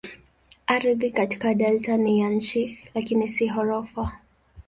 Ardhi katika delta ni ya chini lakini si ghorofa.